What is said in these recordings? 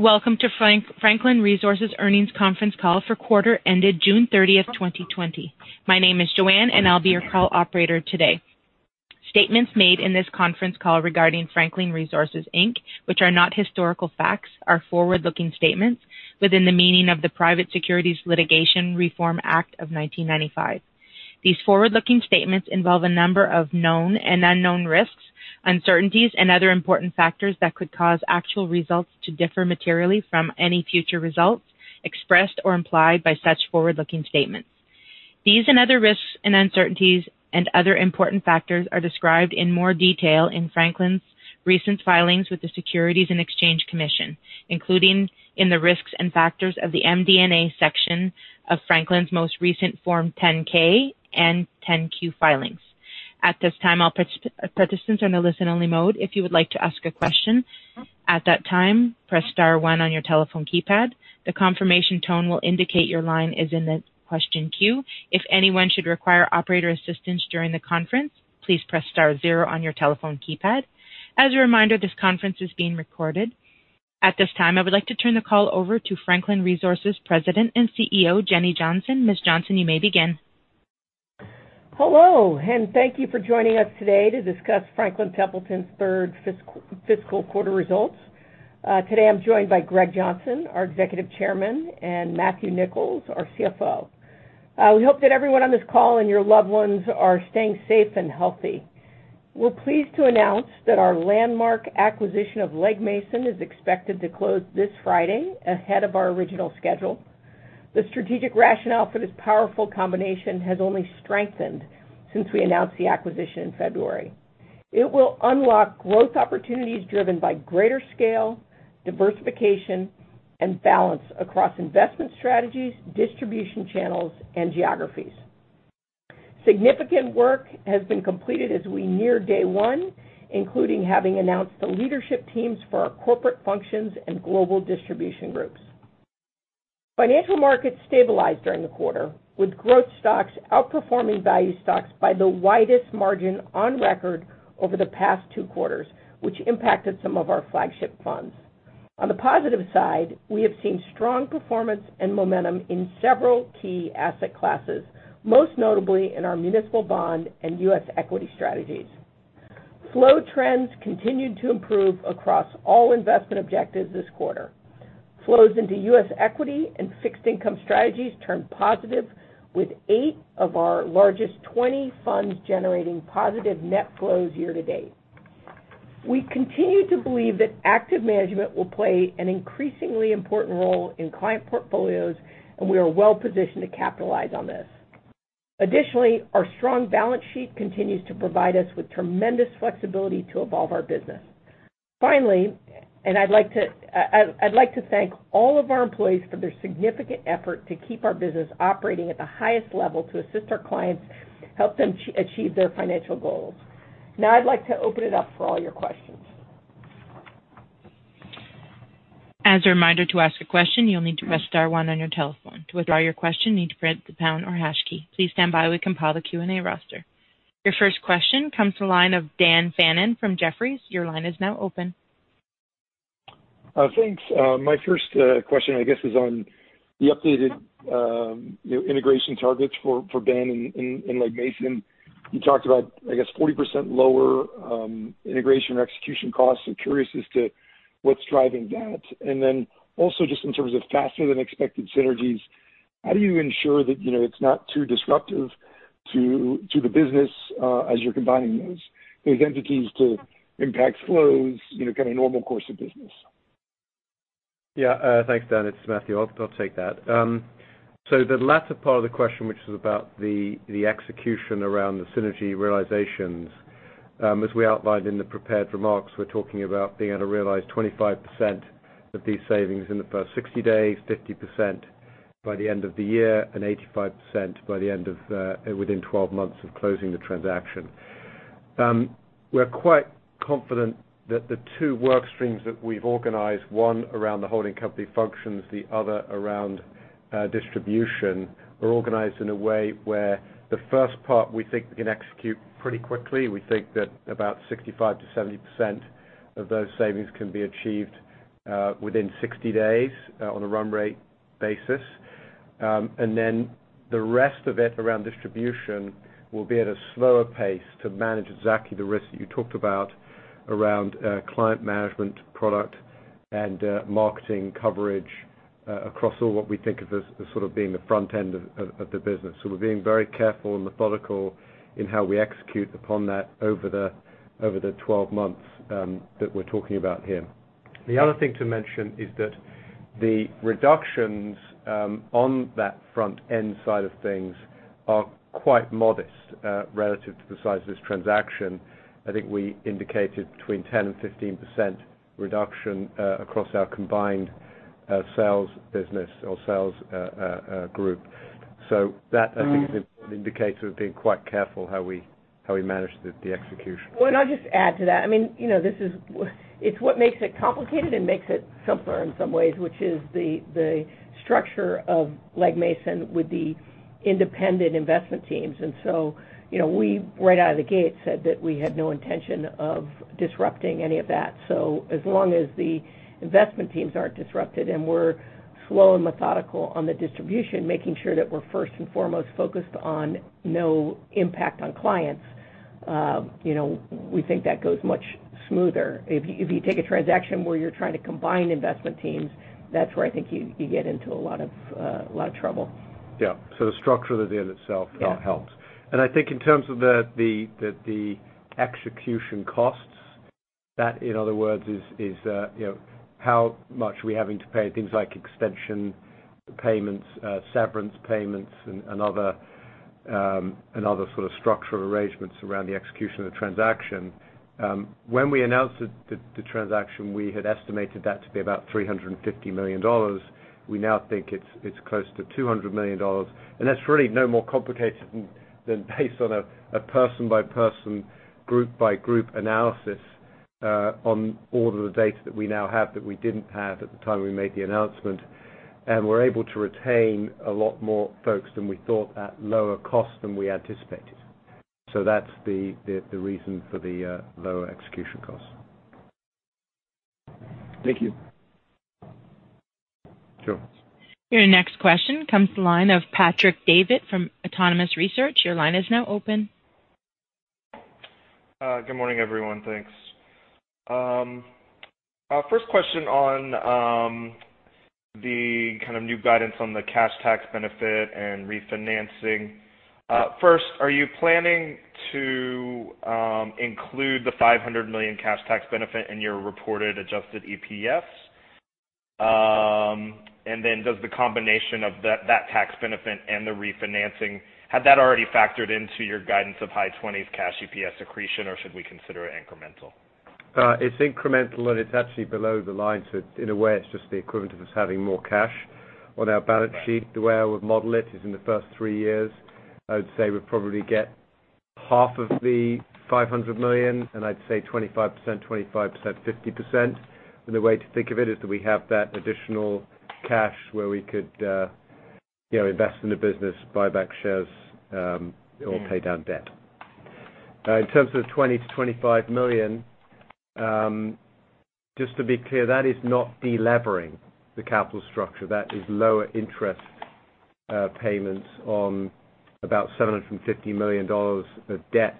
Welcome to Franklin Resources' Earnings Conference Call for quarter ended June 30th, 2020. My name is Joanne, and I'll be your call operator today. Statements made in this conference call regarding Franklin Resources, Inc., which are not historical facts, are forward-looking statements within the meaning of the Private Securities Litigation Reform Act of 1995. These forward-looking statements involve a number of known and unknown risks, uncertainties, and other important factors that could cause actual results to differ materially from any future results expressed or implied by such forward-looking statements. These and other risks and uncertainties and other important factors are described in more detail in Franklin's recent filings with the Securities and Exchange Commission, including in the risks and factors of the MD&A section of Franklin's most recent Form 10-K and 10-Q filings. At this time, all participants are in the listen-only mode. If you would like to ask a question at that time, press star one on your telephone keypad. The confirmation tone will indicate your line is in the question queue. If anyone should require operator assistance during the conference, please press star zero on your telephone keypad. As a reminder, this conference is being recorded. At this time, I would like to turn the call over to Franklin Resources President and CEO, Jenny Johnson. Ms. Johnson, you may begin. Hello, and thank you for joining us today to discuss Franklin Templeton's third fiscal quarter results. Today, I'm joined by Greg Johnson, our Executive Chairman, and Matthew Nicholls, our CFO. We hope that everyone on this call and your loved ones are staying safe and healthy. We're pleased to announce that our landmark acquisition of Legg Mason is expected to close this Friday ahead of our original schedule. The strategic rationale for this powerful combination has only strengthened since we announced the acquisition in February. It will unlock growth opportunities driven by greater scale, diversification, and balance across investment strategies, distribution channels, and geographies. Significant work has been completed as we near day one, including having announced the leadership teams for our corporate functions and global distribution groups. Financial markets stabilized during the quarter, with growth stocks outperforming value stocks by the widest margin on record over the past two quarters, which impacted some of our flagship funds. On the positive side, we have seen strong performance and momentum in several key asset classes, most notably in our municipal bond and U.S. equity strategies. Flow trends continued to improve across all investment objectives this quarter. Flows into U.S. equity and fixed income strategies turned positive, with eight of our largest 20 funds generating positive net flows year to date. We continue to believe that active management will play an increasingly important role in client portfolios, and we are well positioned to capitalize on this. Additionally, our strong balance sheet continues to provide us with tremendous flexibility to evolve our business. Finally, I'd like to thank all of our employees for their significant effort to keep our business operating at the highest level to assist our clients and help them achieve their financial goals. Now, I'd like to open it up for all your questions. As a reminder to ask a question, you'll need to press star one on your telephone. To withdraw your question, you need to press the pound or hash key. Please stand by while we compile the Q&A roster. Your first question comes from the line of Dan Fannon from Jefferies. Your line is now open. Thanks. My first question, I guess, is on the updated integration targets for the Legg Mason. You talked about, I guess, 40% lower integration and execution costs. I'm curious as to what's driving that. And then also just in terms of faster-than-expected synergies, how do you ensure that it's not too disruptive to the business as you're combining those entities to impact flows, kind of normal course of business? Yeah. Thanks, Dan. It's Matthew. I'll take that. So the latter part of the question, which was about the execution around the synergy realizations, as we outlined in the prepared remarks, we're talking about being able to realize 25% of these savings in the first 60 days, 50% by the end of the year, and 85% by the end of, within 12 months of closing the transaction. We're quite confident that the two work streams that we've organized, one around the holding company functions, the other around distribution, are organized in a way where the first part we think we can execute pretty quickly. We think that about 65%-70% of those savings can be achieved within 60 days on a run rate basis. And then the rest of it around distribution will be at a slower pace to manage exactly the risks that you talked about around client management, product, and marketing coverage across all what we think of as sort of being the front end of the business. So we're being very careful and methodical in how we execute upon that over the 12 months that we're talking about here. The other thing to mention is that the reductions on that front end side of things are quite modest relative to the size of this transaction. I think we indicated between 10% and 15% reduction across our combined sales business or sales group. So that, I think, is an important indicator of being quite careful how we manage the execution. And I'll just add to that. I mean, it's what makes it complicated and makes it simpler in some ways, which is the structure of Legg Mason with the independent investment teams. And so we, right out of the gate, said that we had no intention of disrupting any of that. So as long as the investment teams aren't disrupted and we're slow and methodical on the distribution, making sure that we're first and foremost focused on no impact on clients, we think that goes much smoother. If you take a transaction where you're trying to combine investment teams, that's where I think you get into a lot of trouble. Yeah. So the structure of the deal itself helps. And I think in terms of the execution costs, that, in other words, is how much are we having to pay things like extension payments, severance payments, and other sort of structural arrangements around the execution of the transaction. When we announced the transaction, we had estimated that to be about $350 million. We now think it's close to $200 million. And that's really no more complicated than based on a person-by-person, group-by-group analysis on all of the data that we now have that we didn't have at the time we made the announcement. And we're able to retain a lot more folks than we thought at lower cost than we anticipated. So that's the reason for the lower execution costs. Thank you. Sure. Your next question comes to the line of Patrick Davitt from Autonomous Research. Your line is now open. Good morning, everyone. Thanks. First question on the kind of new guidance on the cash tax benefit and refinancing. First, are you planning to include the $500 million cash tax benefit in your reported Adjusted EPS? And then does the combination of that tax benefit and the refinancing, had that already factored into your guidance of high 20s cash EPS accretion, or should we consider it incremental? It's incremental, and it's actually below the line. So in a way, it's just the equivalent of us having more cash on our balance sheet. The way I would model it is in the first three years, I would say we'd probably get half of the $500 million, and I'd say 25%, 25%, 50%. And the way to think of it is that we have that additional cash where we could invest in the business, buy back shares, or pay down debt. In terms of the $20 million-$25 million, just to be clear, that is not delevering the capital structure. That is lower interest payments on about $750 million of debt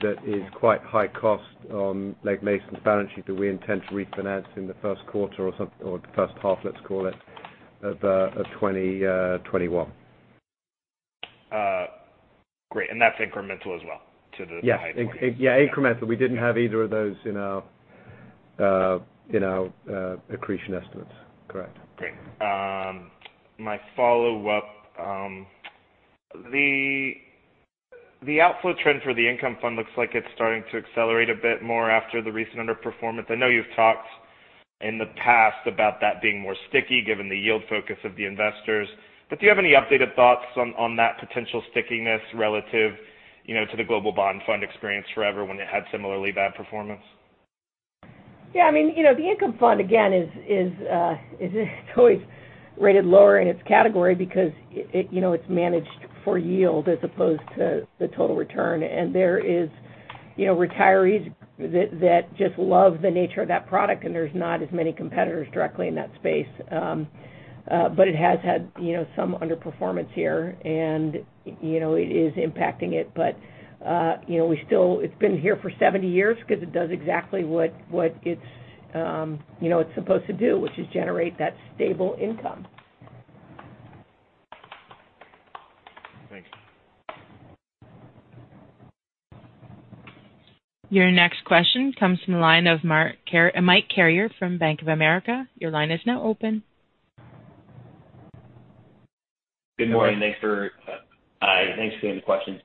that is quite high cost on Legg Mason's balance sheet that we intend to refinance in the first quarter or the first half, let's call it, of 2021. Great, and that's incremental as well to the high 20s? Yeah. Yeah, incremental. We didn't have either of those in our accretion estimates. Correct. Great. My follow-up. The outflow trend for the income fund looks like it's starting to accelerate a bit more after the recent underperformance. I know you've talked in the past about that being more sticky given the yield focus of the investors. But do you have any updated thoughts on that potential stickiness relative to the global bond fund experience, however, when it had similarly bad performance? Yeah. I mean, the income fund, again, it's always rated lower in its category because it's managed for yield as opposed to the total return. And there are retirees that just love the nature of that product, and there's not as many competitors directly in that space. But it has had some underperformance here, and it is impacting it. But it's been here for 70 years because it does exactly what it's supposed to do, which is generate that stable income. Thanks. Your next question comes from the line of Mike Carrier from Bank of America. Your line is now open. Good morning. Thanks for asking the question.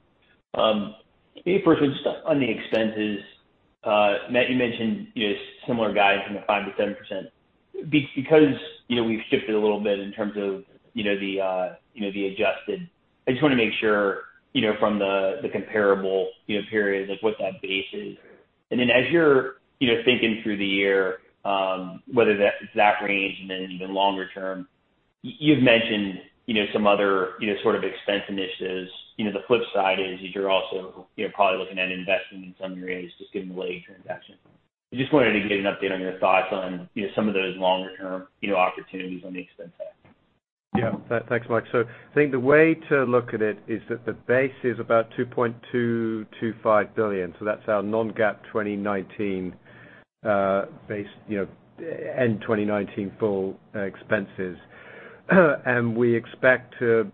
Maybe first, just on the expenses, Matt, you mentioned similar guidance from the 5%-7%. Because we've shifted a little bit in terms of the adjusted, I just want to make sure from the comparable period what that base is, and then as you're thinking through the year, whether that range and then even longer term, you've mentioned some other sort of expense initiatives. The flip side is you're also probably looking at investing in some areas, just getting the Legg transaction. I just wanted to get an update on your thoughts on some of those longer-term opportunities on the expense side. Yeah. Thanks, Mike. So I think the way to look at it is that the base is about $2.225 billion. So that's our non-GAAP 2019 base, end 2019 full expenses. And we expect to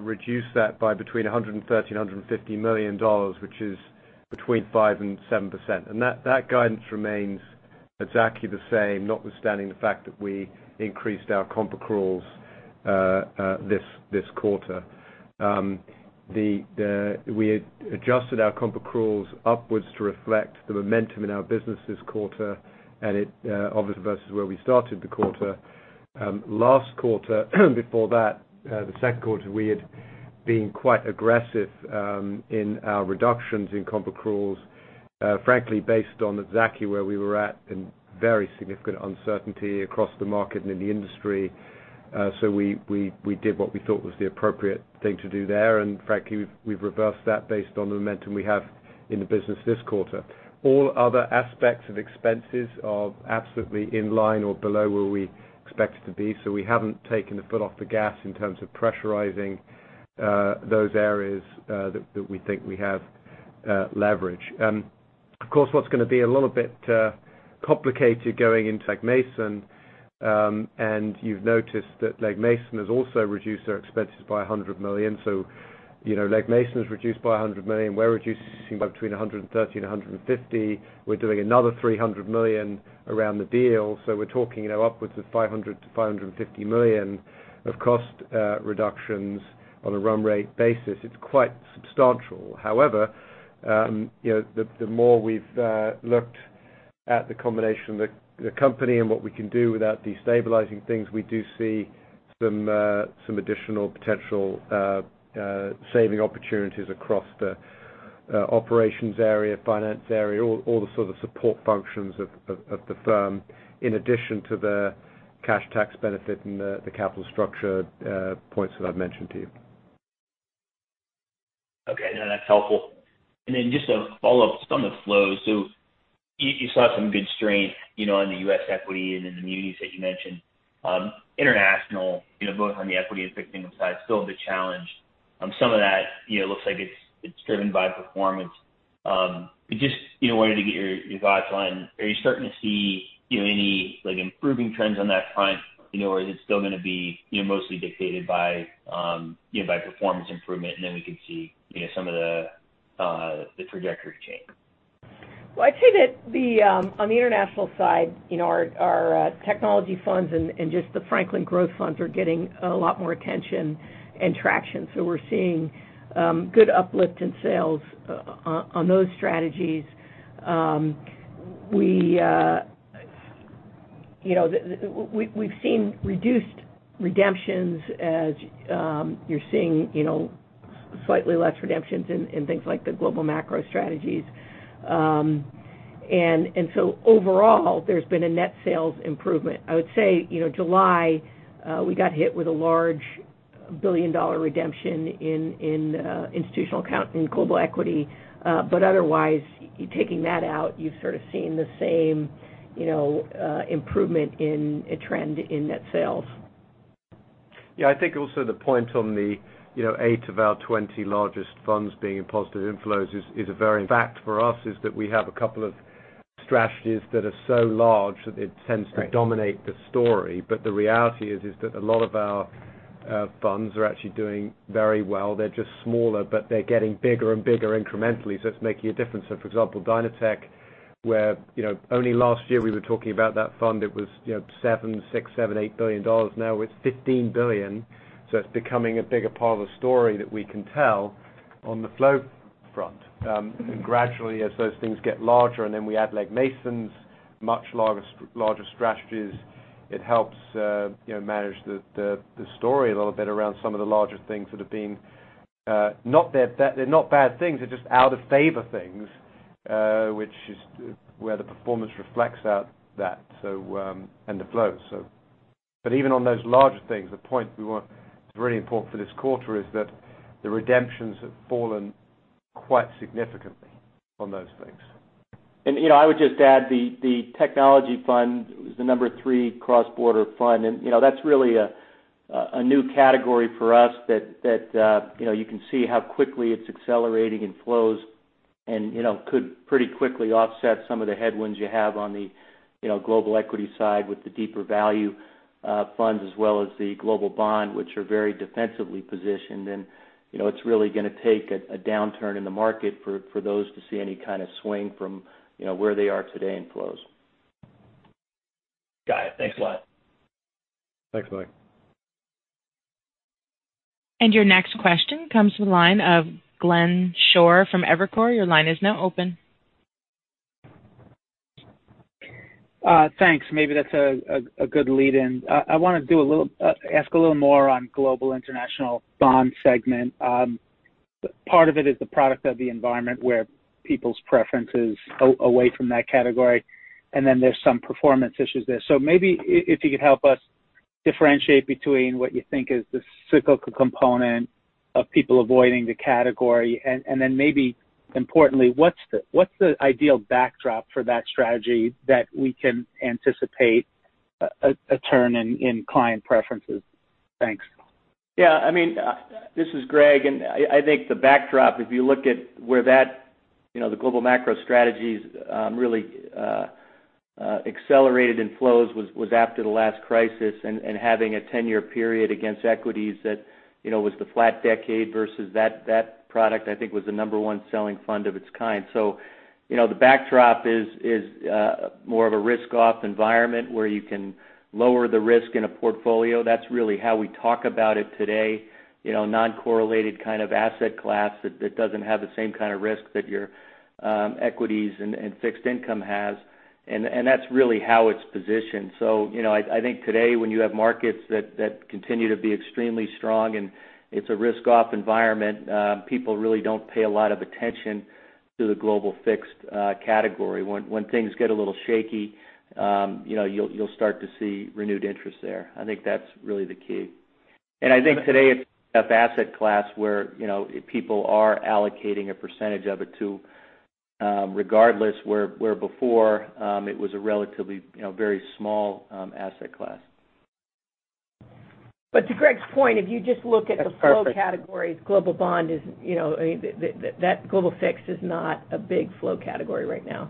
reduce that by between $130 million-$150 million, which is between 5% and 7%. And that guidance remains exactly the same, notwithstanding the fact that we increased our comp accruals this quarter. We adjusted our comp accruals upwards to reflect the momentum in our business this quarter, and it obviously versus where we started the quarter. Last quarter, before that, the second quarter, we had been quite aggressive in our reductions in comp accruals, frankly, based on exactly where we were at and very significant uncertainty across the market and in the industry. So we did what we thought was the appropriate thing to do there. And frankly, we've reversed that based on the momentum we have in the business this quarter. All other aspects of expenses are absolutely in line or below where we expect it to be. So we haven't taken the foot off the gas in terms of pressurizing those areas that we think we have leverage. Of course, what's going to be a little bit complicated going into Legg Mason, and you've noticed that Legg Mason has also reduced their expenses by $100 million. So Legg Mason has reduced by $100 million. We're reducing by between $130 million and $150 million. We're doing another $300 million around the deal. So we're talking upwards of $500 million-$550 million of cost reductions on a run rate basis. It's quite substantial. However, the more we've looked at the combination of the company and what we can do without destabilizing things, we do see some additional potential saving opportunities across the operations area, finance area, all the sort of support functions of the firm, in addition to the cash tax benefit and the capital structure points that I've mentioned to you. Okay. No, that's helpful. And then just a follow-up on the flow. So you saw some good strength on the U.S. equity and in the commodities that you mentioned. International, both on the equity and fixed income side, still a big challenge. Some of that looks like it's driven by performance. Just wanted to get your thoughts on, are you starting to see any improving trends on that front, or is it still going to be mostly dictated by performance improvement, and then we could see some of the trajectory change? I'd say that on the international side, our technology funds and just the Franklin Growth Funds are getting a lot more attention and traction. So we're seeing good uplift in sales on those strategies. We've seen reduced redemptions, as you're seeing slightly less redemptions in things like the global macro strategies. And so overall, there's been a net sales improvement. I would say July, we got hit with a large $1 billion redemption in institutional account and global equity. But otherwise, taking that out, you've sort of seen the same improvement in a trend in net sales. Yeah. I think also the point on the eight of our 20 largest funds being in positive inflows is a very fact for us is that we have a couple of strategies that are so large that it tends to dominate the story. But the reality is that a lot of our funds are actually doing very well. They're just smaller, but they're getting bigger and bigger incrementally. So it's making a difference. So for example, DynaTech, where only last year we were talking about that fund, it was seven, six, seven, eight billion. Now it's $15 billion. So it's becoming a bigger part of the story that we can tell on the flow front. And gradually, as those things get larger, and then we add Legg Mason's much larger strategies, it helps manage the story a little bit around some of the larger things that have been not bad things. They're just out of favor things, which is where the performance reflects that and the flow. But even on those larger things, the point we want is really important for this quarter is that the redemptions have fallen quite significantly on those things. I would just add the technology fund was the number three cross-border fund. That's really a new category for us that you can see how quickly it's accelerating in flows and could pretty quickly offset some of the headwinds you have on the global equity side with the deeper value funds as well as the global bond, which are very defensively positioned. It's really going to take a downturn in the market for those to see any kind of swing from where they are today in flows. Got it. Thanks a lot. Thanks, Mike. And your next question comes to the line of Glenn Schorr from Evercore. Your line is now open. Thanks. Maybe that's a good lead-in. I want to ask a little more on global international bond segment. Part of it is the product of the environment where people's preference is away from that category. And then there's some performance issues there. So maybe if you could help us differentiate between what you think is the cyclical component of people avoiding the category. And then maybe importantly, what's the ideal backdrop for that strategy that we can anticipate a turn in client preferences? Thanks. Yeah. I mean, this is Greg. And I think the backdrop, if you look at where the global macro strategies really accelerated in flows was after the last crisis and having a 10-year period against equities that was the flat decade versus that product, I think, was the number one selling fund of its kind. So the backdrop is more of a risk-off environment where you can lower the risk in a portfolio. That's really how we talk about it today. Non-correlated kind of asset class that doesn't have the same kind of risk that your equities and fixed income has. And that's really how it's positioned. So I think today, when you have markets that continue to be extremely strong and it's a risk-off environment, people really don't pay a lot of attention to the global fixed category. When things get a little shaky, you'll start to see renewed interest there. I think that's really the key. And I think today it's an asset class where people are allocating a percentage of it to, regardless where before it was a relatively very small asset class. But to Greg's point, if you just look at the flow categories, global bond, that global fixed, is not a big flow category right now.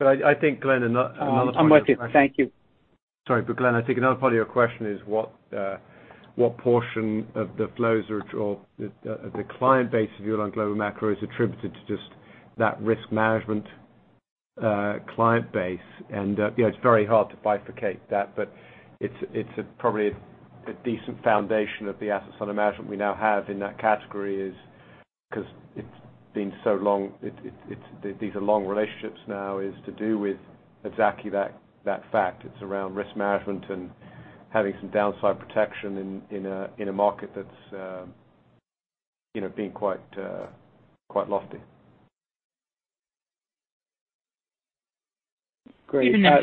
But I think, Glenn, another part of your question. I'm with you. Thank you. Sorry, but Glenn, I think another part of your question is what portion of the flows or the client base if you're on global macro is attributed to just that risk management client base, and it's very hard to bifurcate that. But it's probably a decent foundation of the assets under management we now have in that category is because it's been so long. These are long relationships now is to do with exactly that fact. It's around risk management and having some downside protection in a market that's being quite lofty. Great. Can I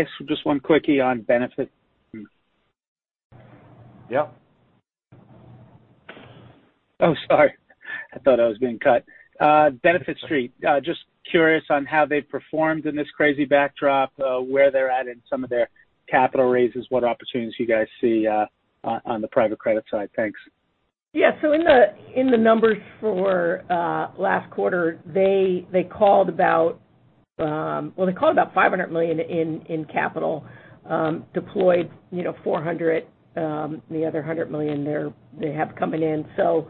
ask just one quickie on Benefit? Yeah. Oh, sorry. I thought I was being cut. Benefit Street, just curious on how they've performed in this crazy backdrop, where they're at in some of their capital raises, what opportunities you guys see on the private credit side. Thanks. Yeah. So in the numbers for last quarter, they called about, well, $500 million in capital, deployed $400 million, and the other $100 million they have coming in. So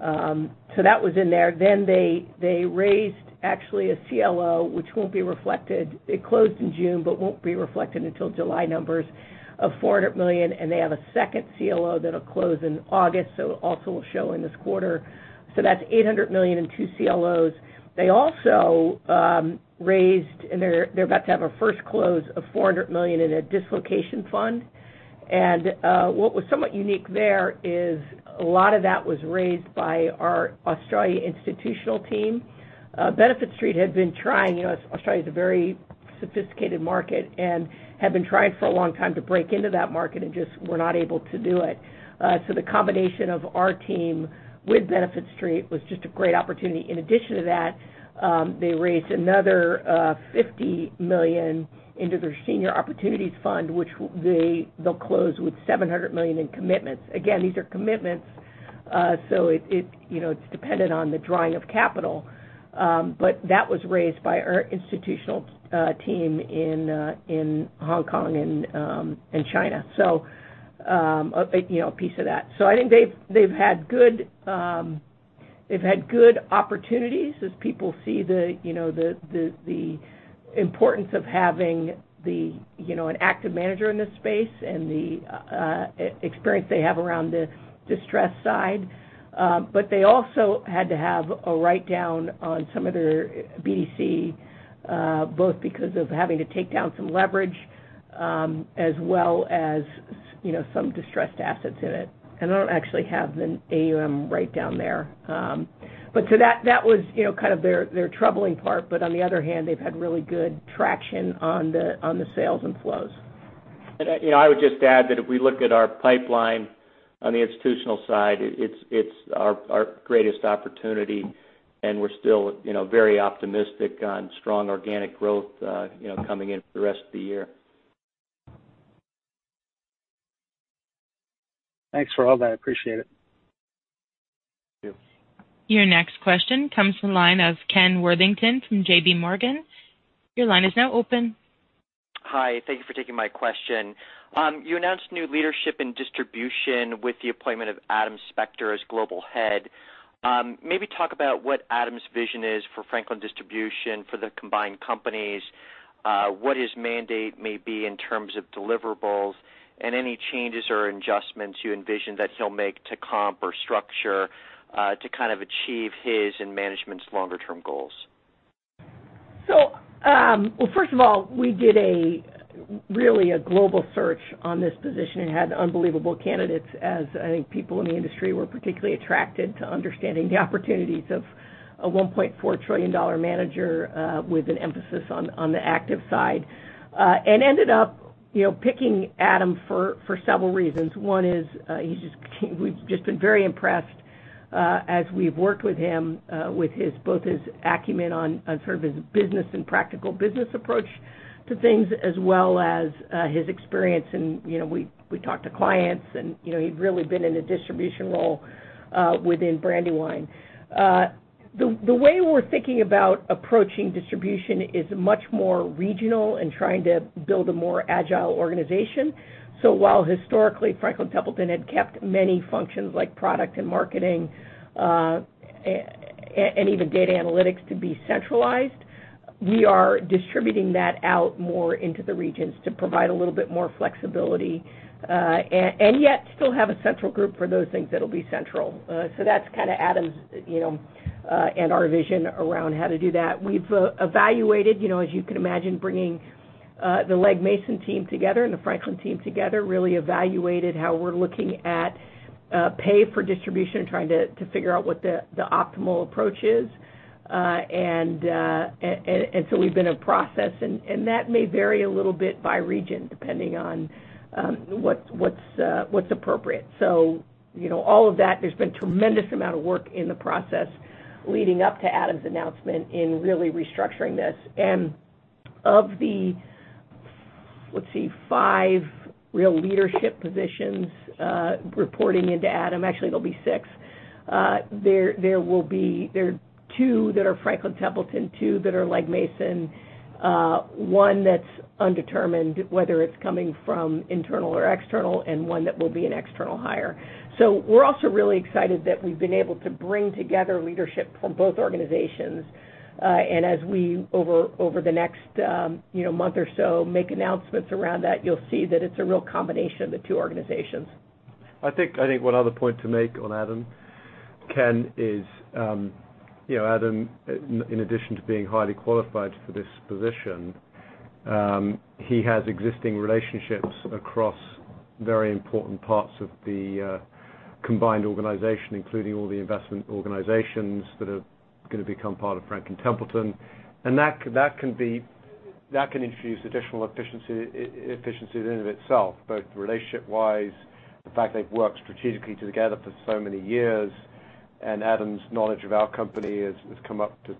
that was in there. Then they raised actually a CLO, which won't be reflected. It closed in June but won't be reflected until July numbers of $400 million. And they have a second CLO that'll close in August. So it also will show in this quarter. So that's $800 million in two CLOs. They also raised, and they're about to have a first close of $400 million in a dislocation fund. And what was somewhat unique there is a lot of that was raised by our Australia institutional team. Benefit Street had been trying. Australia is a very sophisticated market and had been trying for a long time to break into that market and just were not able to do it, so the combination of our team with Benefit Street was just a great opportunity. In addition to that, they raised another $50 million into their Senior Opportunities Fund, which they'll close with $700 million in commitments. Again, these are commitments, so it's dependent on the drawing of capital, but that was raised by our institutional team in Hong Kong and China, so a piece of that. I think they've had good opportunities as people see the importance of having an active manager in this space and the experience they have around the distressed side. But they also had to have a write-down on some of their BDC, both because of having to take down some leverage as well as some distressed assets in it. And I don't actually have the AUM write-down there. But so that was kind of their troubling part. But on the other hand, they've had really good traction on the sales and flows. I would just add that if we look at our pipeline on the institutional side, it's our greatest opportunity. And we're still very optimistic on strong organic growth coming into the rest of the year. Thanks for all that. Appreciate it. Thank you. Your next question comes from the line of Ken Worthington from JPMorgan. Your line is now open. Hi. Thank you for taking my question. You announced new leadership and distribution with the appointment of Adam Spector as global head. Maybe talk about what Adam's vision is for Franklin Distribution for the combined companies, what his mandate may be in terms of deliverables, and any changes or adjustments you envision that he'll make to comp or structure to kind of achieve his and management's longer-term goals? First of all, we did really a global search on this position and had unbelievable candidates as I think people in the industry were particularly attracted to understanding the opportunities of a $1.4 trillion manager with an emphasis on the active side, and ended up picking Adam for several reasons. One is we've just been very impressed as we've worked with him, both his acumen on sort of his business and practical business approach to things as well as his experience, and we talked to clients, and he'd really been in a distribution role within Brandywine. The way we're thinking about approaching distribution is much more regional and trying to build a more agile organization. So while historically Franklin Templeton had kept many functions like product and marketing and even data analytics to be centralized, we are distributing that out more into the regions to provide a little bit more flexibility and yet still have a central group for those things that will be central. So that's kind of Adam's and our vision around how to do that. We've evaluated, as you can imagine, bringing the Legg Mason team together and the Franklin team together, really evaluated how we're looking at pay for distribution and trying to figure out what the optimal approach is. And so we've been in process. And that may vary a little bit by region depending on what's appropriate. So all of that, there's been a tremendous amount of work in the process leading up to Adam's announcement in really restructuring this. Of the, let's see, five real leadership positions reporting into Adam, actually there'll be six. There will be two that are Franklin Templeton, two that are Legg Mason, one that's undetermined whether it's coming from internal or external, and one that will be an external hire. We're also really excited that we've been able to bring together leadership from both organizations. As we over the next month or so make announcements around that, you'll see that it's a real combination of the two organizations. I think one other point to make on Adam, Ken, is Adam, in addition to being highly qualified for this position, he has existing relationships across very important parts of the combined organization, including all the investment organizations that are going to become part of Franklin Templeton. And that can infuse additional efficiency in and of itself, both relationship-wise, the fact they've worked strategically together for so many years. And Adam's knowledge of our company has come up to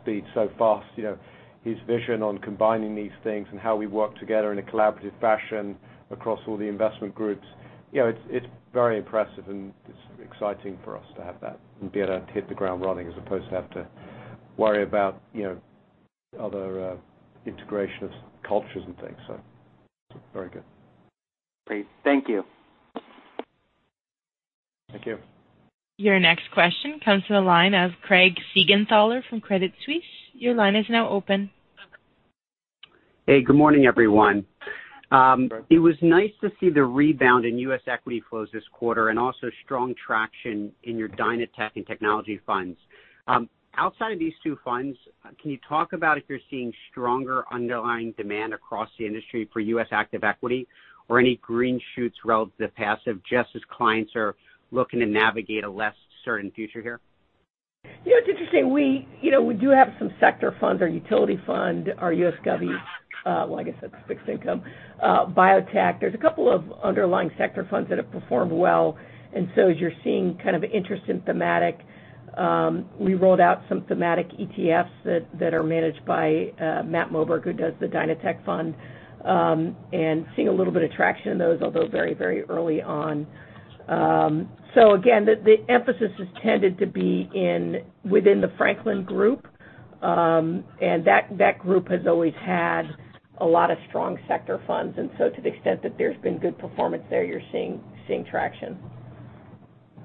speed so fast. His vision on combining these things and how we work together in a collaborative fashion across all the investment groups, it's very impressive. And it's exciting for us to have that and be able to hit the ground running as opposed to have to worry about other integration of cultures and things. So very good. Great. Thank you. Thank you. Your next question comes to the line of Craig Siegenthaler from Credit Suisse. Your line is now open. Hey, good morning, everyone. It was nice to see the rebound in U.S. equity flows this quarter and also strong traction in your DynaTech and technology funds. Outside of these two funds, can you talk about if you're seeing stronger underlying demand across the industry for U.S. active equity or any green shoots relative to passive just as clients are looking to navigate a less certain future here? Yeah. It's interesting. We do have some sector funds, our utility fund, our U.S. Gov, well, I guess that's fixed income, biotech. There's a couple of underlying sector funds that have performed well. And so as you're seeing kind of interest in thematic, we rolled out some thematic ETFs that are managed by Matt Moberg, who does the DynaTech fund, and seeing a little bit of traction in those, although very, very early on. So again, the emphasis has tended to be within the Franklin Group. And that group has always had a lot of strong sector funds. And so to the extent that there's been good performance there, you're seeing traction.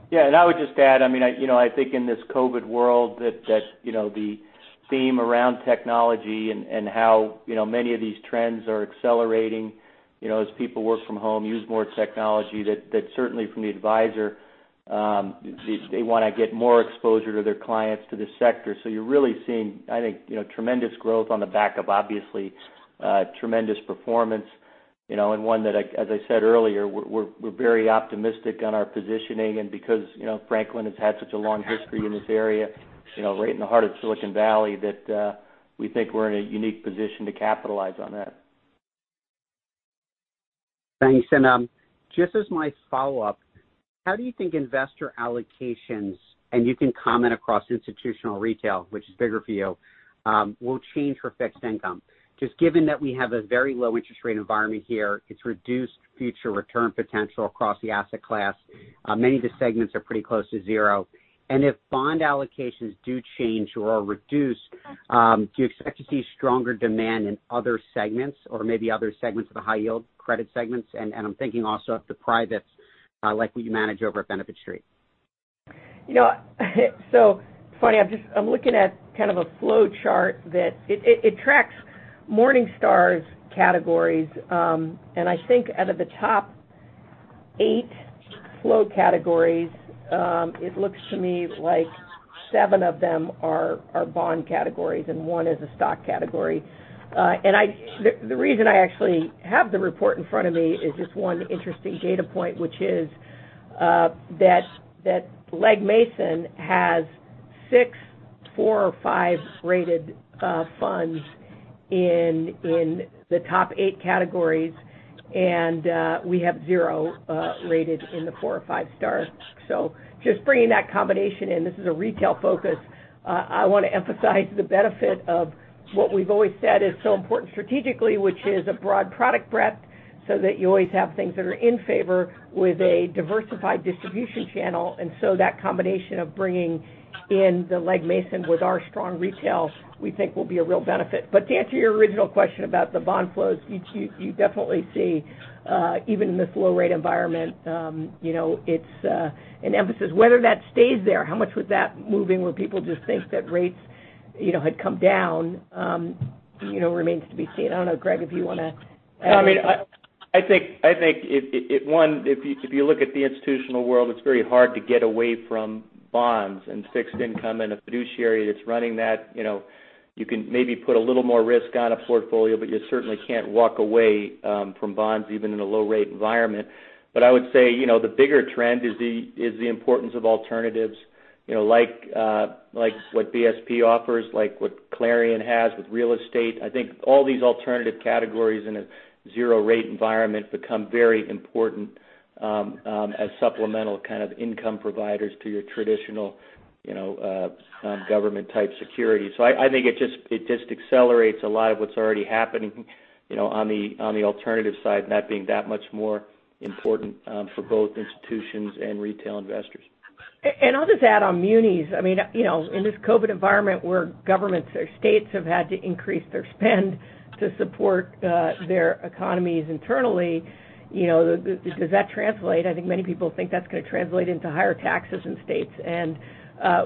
Yeah. And I would just add, I mean, I think in this COVID world that the theme around technology and how many of these trends are accelerating as people work from home, use more technology, that certainly from the advisor, they want to get more exposure to their clients to the sector. So you're really seeing, I think, tremendous growth on the back of obviously tremendous performance. And one that, as I said earlier, we're very optimistic on our positioning. And because Franklin has had such a long history in this area right in the heart of Silicon Valley, that we think we're in a unique position to capitalize on that. Thanks. And just as my follow-up, how do you think investor allocations (and you can comment across institutional retail, which is bigger for you) will change for fixed income? Just given that we have a very low interest rate environment here, it's reduced future return potential across the asset class. Many of the segments are pretty close to zero. And if bond allocations do change or reduce, do you expect to see stronger demand in other segments or maybe other segments of the high-yield credit segments? And I'm thinking also of the privates like what you manage over at Benefit Street. So funny. I'm looking at kind of a flow chart that tracks Morningstar's categories. And I think out of the top eight flow categories, it looks to me like seven of them are bond categories and one is a stock category. And the reason I actually have the report in front of me is just one interesting data point, which is that Legg Mason has six four- or five-rated funds in the top eight categories. And we have zero rated in the four- or five-stars. So just bringing that combination in, this is a retail focus. I want to emphasize the benefit of what we've always said is so important strategically, which is a broad product breadth so that you always have things that are in favor with a diversified distribution channel. And so that combination of bringing in the Legg Mason with our strong retail, we think will be a real benefit. But to answer your original question about the bond flows, you definitely see, even in this low-rate environment, it's an emphasis. Whether that stays there, how much with that moving where people just think that rates had come down remains to be seen. I don't know, Greg, if you want to? I mean, I think, one, if you look at the institutional world, it's very hard to get away from bonds and fixed income and a fiduciary that's running that. You can maybe put a little more risk on a portfolio, but you certainly can't walk away from bonds even in a low-rate environment. But I would say the bigger trend is the importance of alternatives like what BSP offers, like what Clarion has with real estate. I think all these alternative categories in a zero-rate environment become very important as supplemental kind of income providers to your traditional government-type security. So I think it just accelerates a lot of what's already happening on the alternative side, not being that much more important for both institutions and retail investors. I'll just add on munis. I mean, in this COVID environment where governments or states have had to increase their spend to support their economies internally, does that translate? I think many people think that's going to translate into higher taxes in states. And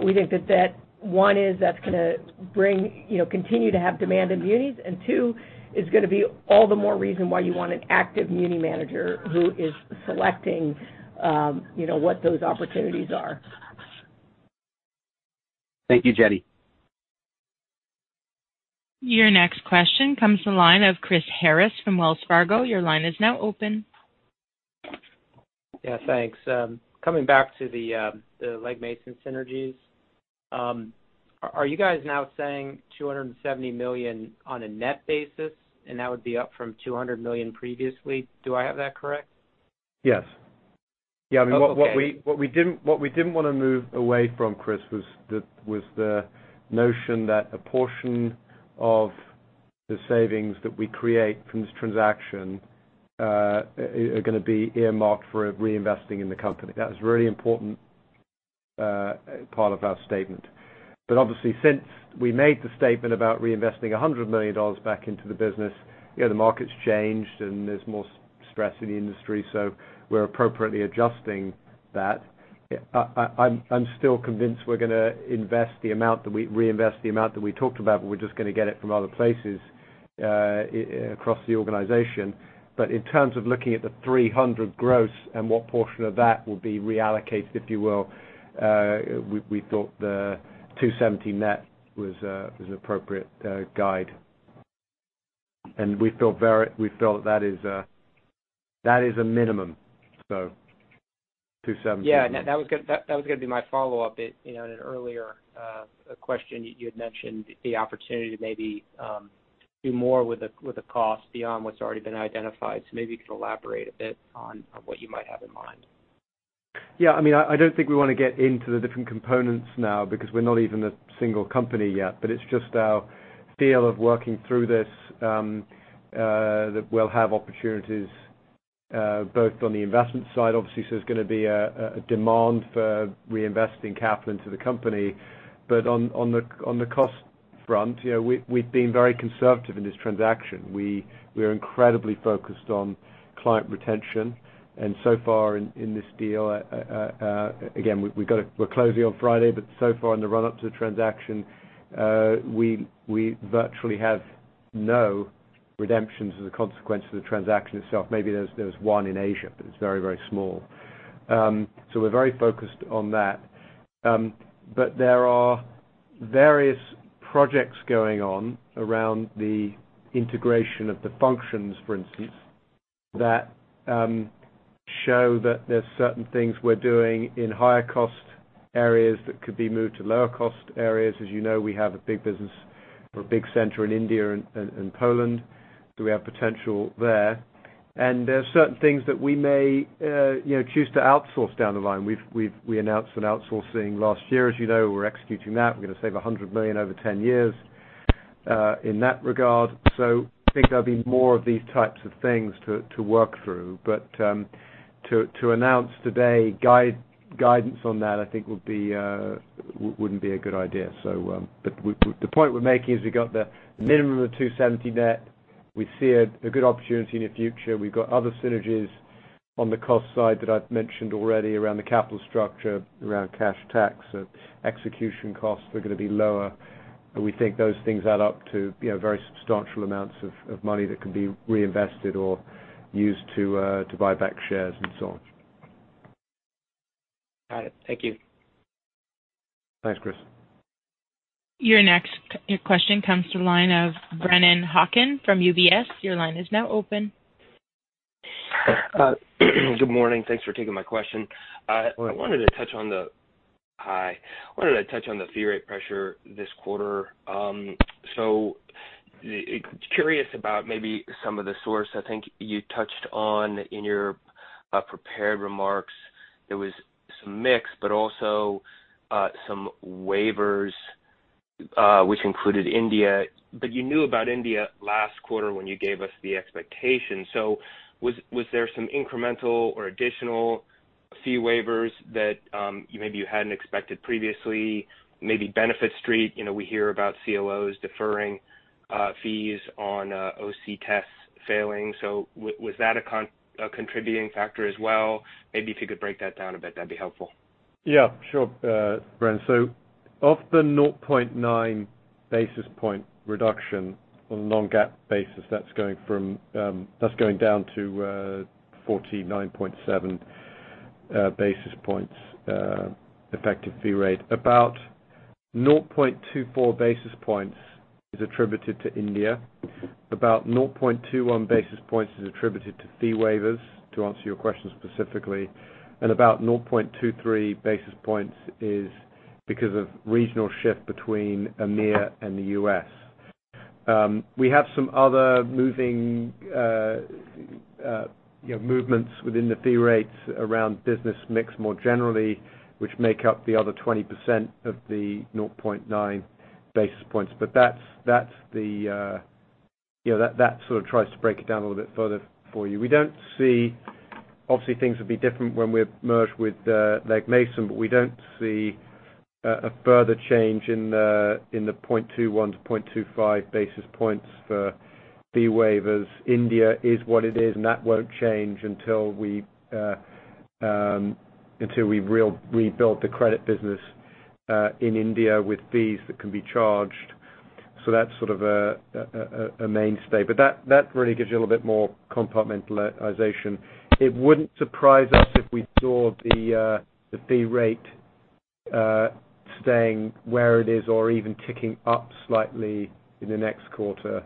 we think that, one, is going to continue to have demand in munis. And two, is going to be all the more reason why you want an active muni manager who is selecting what those opportunities are. Thank you, Jenny. Your next question comes to the line of Chris Harris from Wells Fargo. Your line is now open. Yeah. Thanks. Coming back to the Legg Mason synergies, are you guys now saying $270 million on a net basis? And that would be up from $200 million previously. Do I have that correct? Yes. Yeah. I mean, what we didn't want to move away from, Chris, was the notion that a portion of the savings that we create from this transaction are going to be earmarked for reinvesting in the company. That was a really important part of our statement. But obviously, since we made the statement about reinvesting $100 million back into the business, the market's changed and there's more stress in the industry. So we're appropriately adjusting that. I'm still convinced we're going to invest the amount that we talked about, but we're just going to get it from other places across the organization. But in terms of looking at the 300 gross and what portion of that will be reallocated, if you will, we thought the 270 net was an appropriate guide. And we feel that that is a minimum. So 270. Yeah. That was going to be my follow-up. In an earlier question, you had mentioned the opportunity to maybe do more with the cost beyond what's already been identified. So maybe you could elaborate a bit on what you might have in mind? Yeah. I mean, I don't think we want to get into the different components now because we're not even a single company yet. But it's just our feel of working through this that we'll have opportunities both on the investment side, obviously, so there's going to be a demand for reinvesting capital into the company. But on the cost front, we've been very conservative in this transaction. We are incredibly focused on client retention. And so far in this deal, again, we're closing on Friday. But so far in the run-up to the transaction, we virtually have no redemptions as a consequence of the transaction itself. Maybe there was one in Asia, but it's very, very small. So we're very focused on that. But there are various projects going on around the integration of the functions, for instance, that show that there's certain things we're doing in higher-cost areas that could be moved to lower-cost areas. As you know, we have a big business or a big center in India and Poland. So we have potential there. And there are certain things that we may choose to outsource down the line. We announced an outsourcing last year. As you know, we're executing that. We're going to save $100 million over 10 years in that regard. So I think there'll be more of these types of things to work through. But to announce today guidance on that, I think wouldn't be a good idea. But the point we're making is we've got the minimum of 270 net. We see a good opportunity in the future. We've got other synergies on the cost side that I've mentioned already around the capital structure, around cash tax, execution costs are going to be lower, and we think those things add up to very substantial amounts of money that could be reinvested or used to buy back shares and so on. Got it. Thank you. Thanks, Chris. Your next question comes to the line of Brennan Hawken from UBS. Your line is now open. Good morning. Thanks for taking my question. I wanted to touch on the fee rate pressure this quarter. So, curious about maybe some of the sources I think you touched on in your prepared remarks. There was some mix, but also some waivers, which included India. But you knew about India last quarter when you gave us the expectation. So, was there some incremental or additional fee waivers that maybe you hadn't expected previously? Maybe Benefit Street, we hear about CLOs deferring fees on OC tests failing. So, was that a contributing factor as well? Maybe if you could break that down a bit, that'd be helpful. Yeah. Sure, Brennan. So of the 0.9 basis point reduction on a non-GAAP basis, that's going down to 49.7 basis points effective fee rate. About 0.24 basis points is attributed to India. About 0.21 basis points is attributed to fee waivers, to answer your question specifically. And about 0.23 basis points is because of regional shift between EMEA and the U.S. We have some other movements within the fee rates around business mix more generally, which make up the other 20% of the 0.9 basis points. But that's the sort of tries to break it down a little bit further for you. We don't see obviously, things will be different when we're merged with Legg Mason, but we don't see a further change in the 0.21-0.25 basis points for fee waivers. India is what it is. And that won't change until we rebuild the credit business in India with fees that can be charged. So that's sort of a mainstay. But that really gives you a little bit more compartmentalization. It wouldn't surprise us if we saw the fee rate staying where it is or even ticking up slightly in the next quarter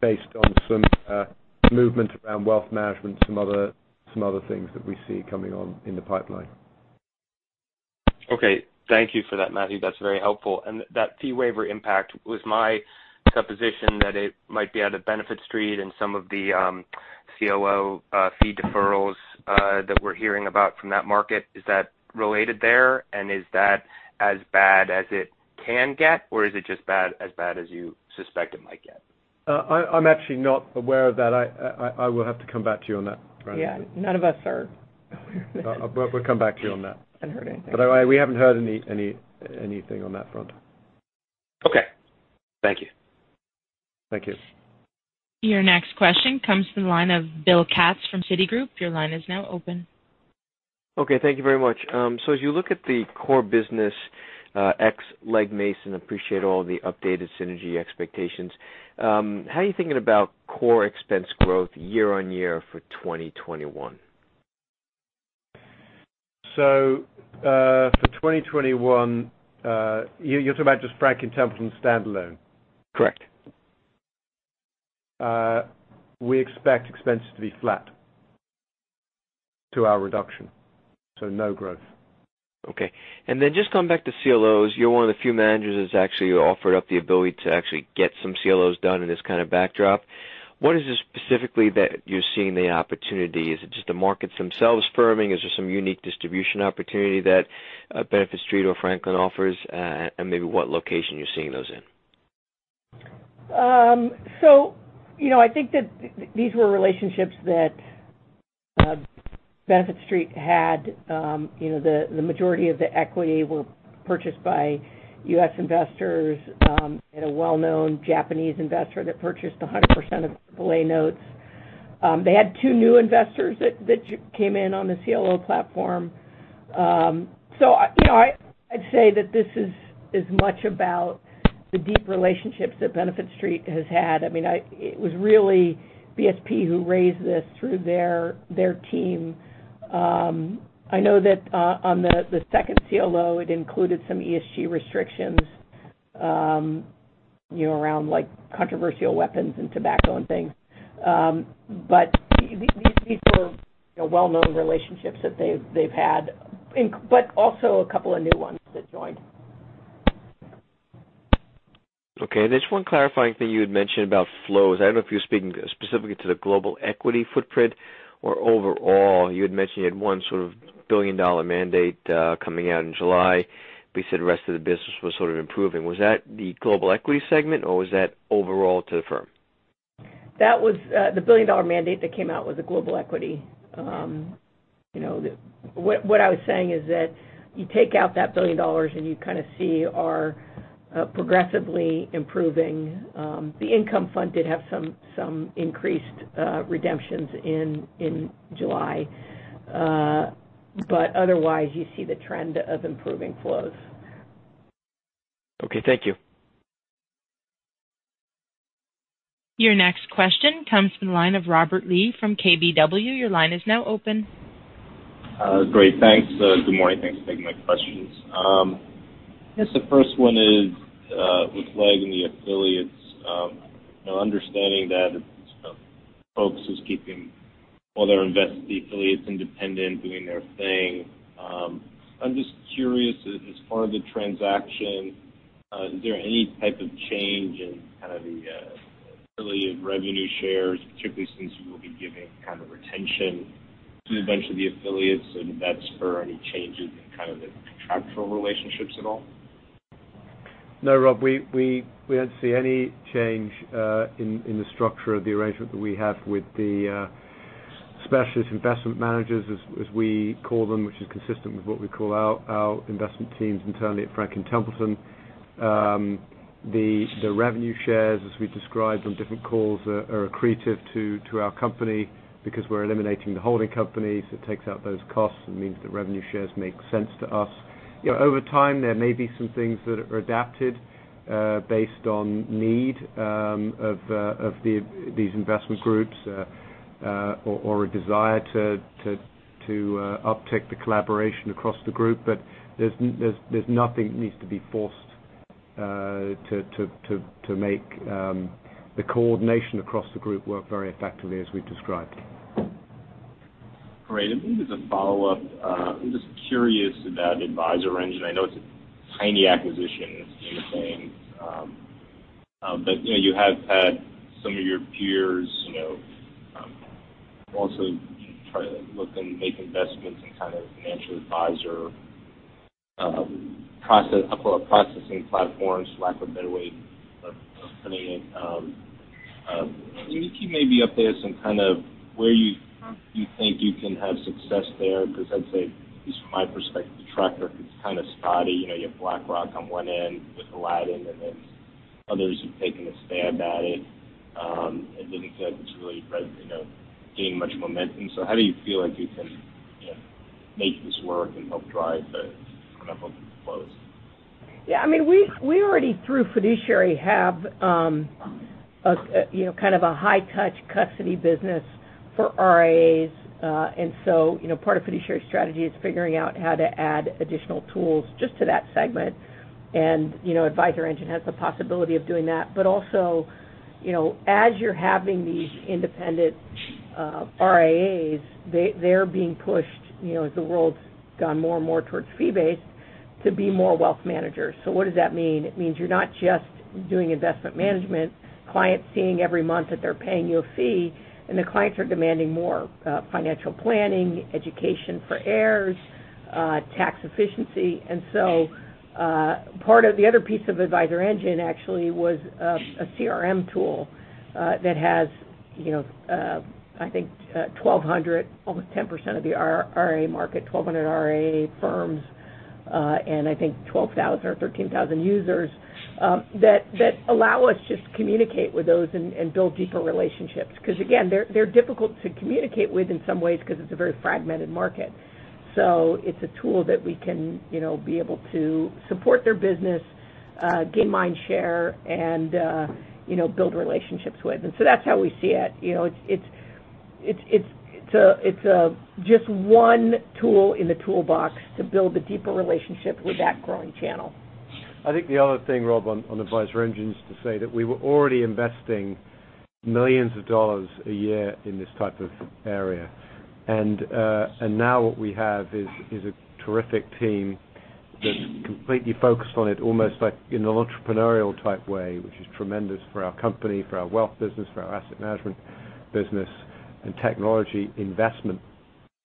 based on some movement around wealth management, some other things that we see coming on in the pipeline. Okay. Thank you for that, Matthew. That's very helpful. And that fee waiver impact was my supposition that it might be out of Benefit Street and some of the CLO fee deferrals that we're hearing about from that market. Is that related there? And is that as bad as it can get? Or is it just as bad as you suspect it might get? I'm actually not aware of that. I will have to come back to you on that, Brennan. Yeah. None of us are. We'll come back to you on that. I haven't heard anything. But we haven't heard anything on that front. Okay. Thank you. Thank you. Your next question comes to the line of Bill Katz from Citigroup. Your line is now open. Okay. Thank you very much. So as you look at the core business ex-Legg Mason, appreciate all the updated synergy expectations. How are you thinking about core expense growth year on year for 2021? So for 2021, you're talking about just Franklin Templeton standalone? Correct. We expect expenses to be flat to our reduction. So no growth. Okay. And then just coming back to CLOs, you're one of the few managers that's actually offered up the ability to actually get some CLOs done in this kind of backdrop. What is it specifically that you're seeing the opportunity? Is it just the markets themselves firming? Is there some unique distribution opportunity that Benefit Street or Franklin offers? And maybe what location you're seeing those in? So I think that these were relationships that Benefit Street had. The majority of the equity were purchased by U.S. investors. We had a well-known Japanese investor that purchased 100% of AAA notes. They had two new investors that came in on the CLO platform. So I'd say that this is as much about the deep relationships that Benefit Street has had. I mean, it was really BSP who raised this through their team. I know that on the second CLO, it included some ESG restrictions around controversial weapons and tobacco and things. But these were well-known relationships that they've had, but also a couple of new ones that joined. Okay. There's one clarifying thing you had mentioned about flows. I don't know if you're speaking specifically to the global equity footprint or overall. You had mentioned you had one sort of billion-dollar mandate coming out in July. But you said the rest of the business was sort of improving. Was that the global equity segment, or was that overall to the firm? The billion-dollar mandate that came out was a global equity. What I was saying is that you take out that billion dollars and you kind of see our progressively improving. The income fund did have some increased redemptions in July. But otherwise, you see the trend of improving flows. Okay. Thank you. Your next question comes to the line of Robert Lee from KBW. Your line is now open. Great. Thanks. Good morning. Thanks for taking my questions. I guess the first one is with Legg and the affiliates. Understanding that folks who's keeping all their investment affiliates independent doing their thing. I'm just curious, as part of the transaction, is there any type of change in kind of the affiliate revenue shares, particularly since you will be giving kind of retention to a bunch of the affiliates? So does that spur any changes in kind of the contractual relationships at all? No, Rob. We don't see any change in the structure of the arrangement that we have with the specialist investment managers, as we call them, which is consistent with what we call our investment teams internally at Franklin Templeton. The revenue shares, as we described on different calls, are accretive to our company because we're eliminating the holding companies. It takes out those costs and means that revenue shares make sense to us. Over time, there may be some things that are adapted based on need of these investment groups or a desire to uptake the collaboration across the group. But there's nothing that needs to be forced to make the coordination across the group work very effectively, as we've described. Great. And maybe as a follow-up, I'm just curious about AdvisorEngine. I know it's a tiny acquisition, as you were saying. But you have had some of your peers also try to look and make investments in kind of financial advisor processing platforms, for lack of a better way of putting it. Can you keep maybe updated some kind of where you think you can have success there? Because I'd say, at least from my perspective, the track record's kind of spotty. You have BlackRock on one end with Aladdin, and then others have taken a stab at it. It doesn't feel like it's really gaining much momentum. So how do you feel like you can make this work and help drive the climate of the flows? Yeah. I mean, we already, through Fiduciary, have kind of a high-touch custody business for RIAs. And so part of Fiduciary strategy is figuring out how to add additional tools just to that segment. And AdvisorEngine has the possibility of doing that. But also, as you're having these independent RIAs, they're being pushed, as the world's gone more and more towards fee-based, to be more wealth managers. So what does that mean? It means you're not just doing investment management. Clients seeing every month that they're paying you a fee, and the clients are demanding more financial planning, education for heirs, tax efficiency. And so part of the other piece of AdvisorEngine actually was a CRM tool that has, I think, 1,200, almost 10% of the RIA market, 1,200 RIA firms, and I think 12,000 or 13,000 users that allow us just to communicate with those and build deeper relationships. Because again, they're difficult to communicate with in some ways because it's a very fragmented market. So it's a tool that we can be able to support their business, gain mind share, and build relationships with. And so that's how we see it. It's just one tool in the toolbox to build a deeper relationship with that growing channel. I think the other thing, Rob, on AdvisorEngine is to say that we were already investing millions of dollars a year in this type of area. And now what we have is a terrific team that's completely focused on it, almost like in an entrepreneurial type way, which is tremendous for our company, for our wealth business, for our asset management business, and technology investment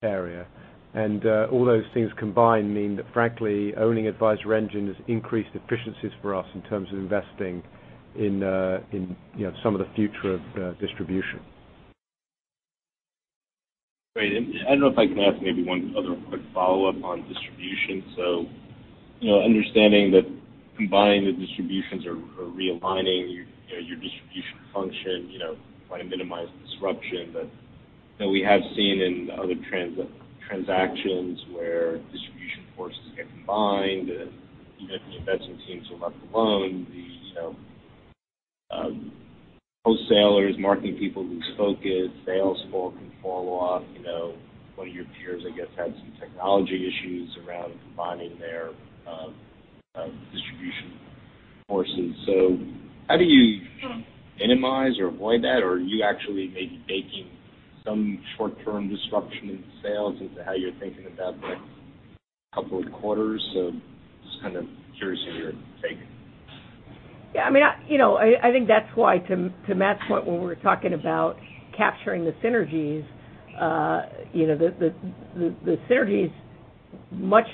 area. And all those things combined mean that, frankly, owning AdvisorEngine has increased efficiencies for us in terms of investing in some of the future of distribution. Great. And I don't know if I can ask maybe one other quick follow-up on distribution. So understanding that combining the distributions or realigning your distribution function trying to minimize disruption that we have seen in other transactions where distribution forces get combined, even if the investment teams are left alone, the wholesalers, marketing people lose focus, they all spark and fall off. One of your peers, I guess, had some technology issues around combining their distribution forces. So how do you minimize or avoid that? Or are you actually maybe baking some short-term disruption in sales into how you're thinking about the next couple of quarters? So just kind of curious of your take. Yeah. I mean, I think that's why, to Matt's point, when we were talking about capturing the synergies, the synergies much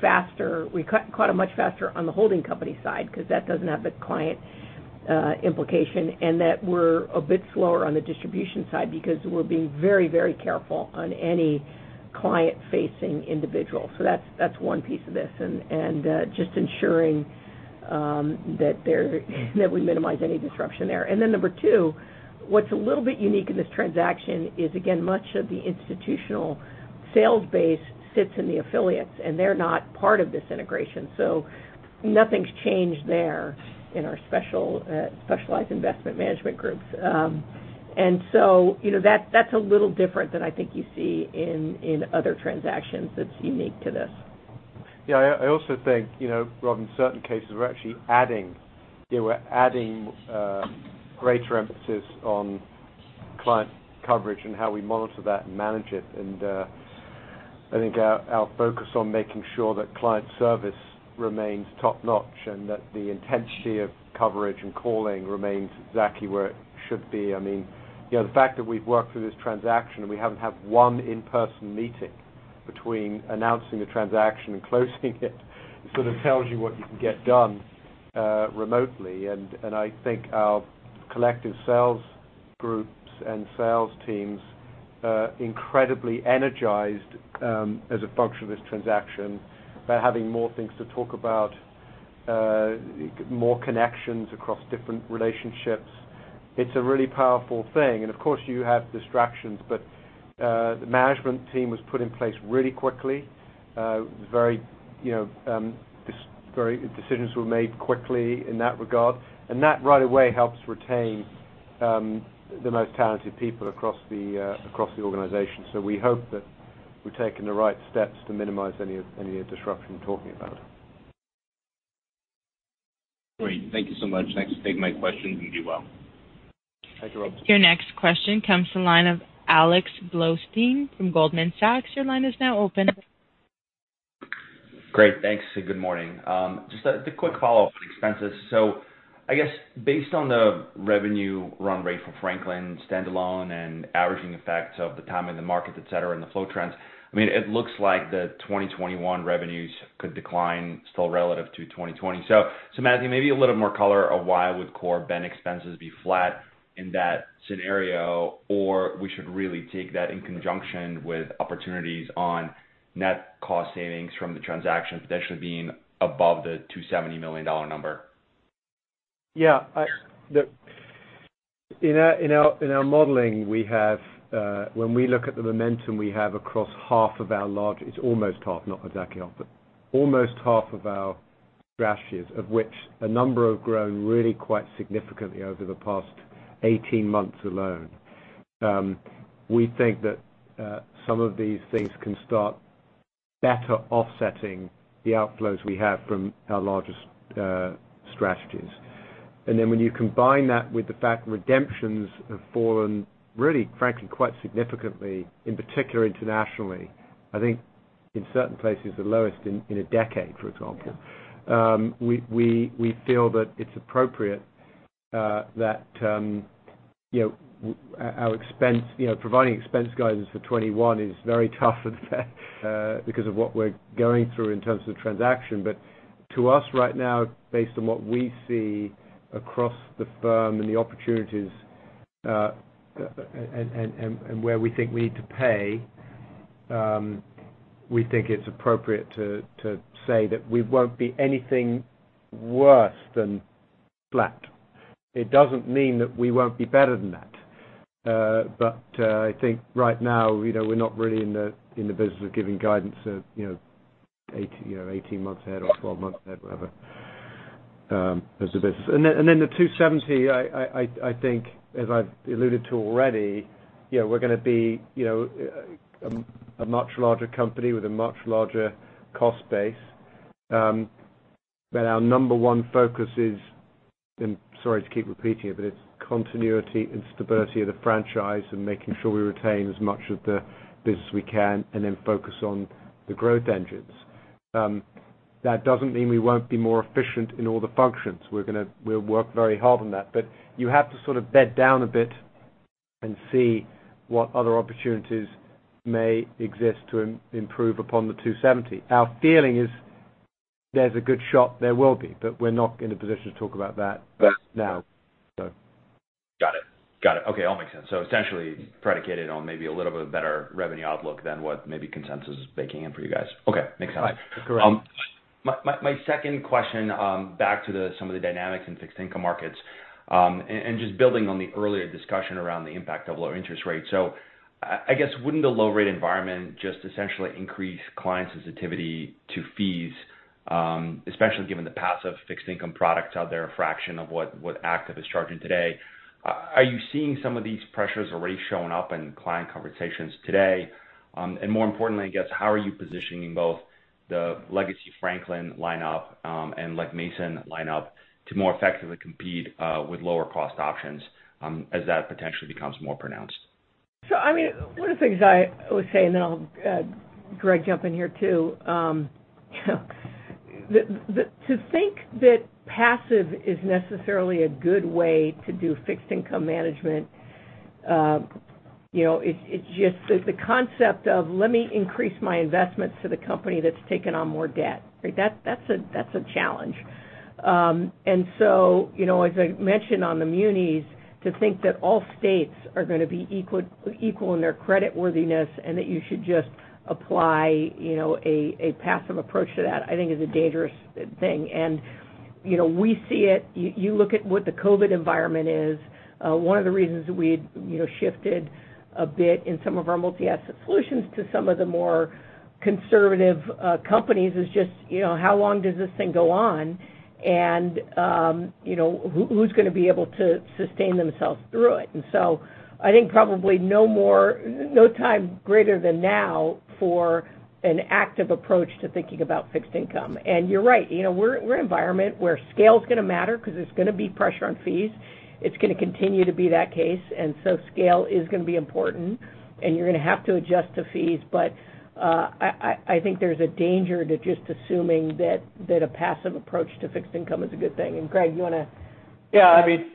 faster we caught them much faster on the holding company side because that doesn't have the client implication. And that we're a bit slower on the distribution side because we're being very, very careful on any client-facing individual. So that's one piece of this. And just ensuring that we minimize any disruption there. And then number two, what's a little bit unique in this transaction is, again, much of the institutional sales base sits in the affiliates, and they're not part of this integration. So nothing's changed there in our specialized investment management groups. And so that's a little different than I think you see in other transactions that's unique to this. Yeah. I also think, Rob, in certain cases, we're actually adding greater emphasis on client coverage and how we monitor that and manage it. And I think our focus on making sure that client service remains top-notch and that the intensity of coverage and calling remains exactly where it should be. I mean, the fact that we've worked through this transaction and we haven't had one in-person meeting between announcing the transaction and closing it sort of tells you what you can get done remotely. And I think our collective sales groups and sales teams are incredibly energized as a function of this transaction by having more things to talk about, more connections across different relationships. It's a really powerful thing. And of course, you have distractions. But the management team was put in place really quickly. Decisions were made quickly in that regard. That right away helps retain the most talented people across the organization. We hope that we're taking the right steps to minimize any disruption we're talking about. Great. Thank you so much. Thanks for taking my questions. You do well. Thank you, Rob. Your next question comes to the line of Alex Blostein from Goldman Sachs. Your line is now open. Great. Thanks. Good morning. Just a quick follow-up on expenses. So I guess based on the revenue run rate for Franklin standalone and averaging effects of the timing of the market, etc., and the flow trends, I mean, it looks like the 2021 revenues could decline still relative to 2020. So Matthew, maybe a little bit more color of why would core BEN expenses be flat in that scenario, or we should really take that in conjunction with opportunities on net cost savings from the transaction potentially being above the $270 million number? Yeah. In our modeling, when we look at the momentum we have across half of our large, it's almost half, not exactly half, but almost half of our strategies, of which a number have grown really quite significantly over the past 18 months alone. We think that some of these things can start better offsetting the outflows we have from our largest strategies. And then when you combine that with the fact redemptions have fallen really, frankly, quite significantly, in particular internationally, I think in certain places the lowest in a decade, for example, we feel that it's appropriate. Providing expense guidance for 2021 is very tough because of what we're going through in terms of the transaction. But to us right now, based on what we see across the firm and the opportunities and where we think we need to play, we think it's appropriate to say that we won't be anything worse than flat. It doesn't mean that we won't be better than that. But I think right now we're not really in the business of giving guidance 18 months ahead or 12 months ahead, whatever, as a business. And then the 270, I think, as I've alluded to already, we're going to be a much larger company with a much larger cost base. But our number one focus is, and sorry to keep repeating it, but it's continuity and stability of the franchise and making sure we retain as much of the business we can and then focus on the growth engines. That doesn't mean we won't be more efficient in all the functions. We'll work very hard on that, but you have to sort of bed down a bit and see what other opportunities may exist to improve upon the 270. Our feeling is there's a good shot there will be, but we're not in a position to talk about that now, so. Got it. Got it. Okay. All makes sense. So essentially predicated on maybe a little bit better revenue outlook than what maybe consensus is baking in for you guys. Okay. Makes sense. Correct. My second question back to some of the dynamics in fixed income markets and just building on the earlier discussion around the impact of low interest rates. So I guess, wouldn't a low-rate environment just essentially increase client sensitivity to fees, especially given the passive fixed income products out there a fraction of what active is charging today? Are you seeing some of these pressures already showing up in client conversations today? And more importantly, I guess, how are you positioning both the legacy Franklin lineup and Mason lineup to more effectively compete with lower-cost options as that potentially becomes more pronounced? So I mean, one of the things I would say, and then I'll let Greg jump in here too, to think that passive is necessarily a good way to do fixed income management, it's just the concept of, "Let me increase my investments to the company that's taken on more debt." That's a challenge. And so as I mentioned on the munis, to think that all states are going to be equal in their creditworthiness and that you should just apply a passive approach to that, I think is a dangerous thing. And we see it. You look at what the COVID environment is. One of the reasons we shifted a bit in some of our multi-asset solutions to some of the more conservative companies is just, "How long does this thing go on? And who's going to be able to sustain themselves through it?" And so I think probably no time greater than now for an active approach to thinking about fixed income. And you're right. We're in an environment where scale's going to matter because there's going to be pressure on fees. It's going to continue to be that case. And so scale is going to be important, and you're going to have to adjust to fees. But I think there's a danger to just assuming that a passive approach to fixed income is a good thing. And Greg, you want to? Yeah. I mean,